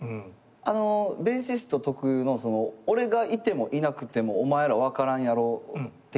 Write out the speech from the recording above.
あのベーシスト特有の俺がいてもいなくてもお前ら分からんやろ的なあるじゃないですか。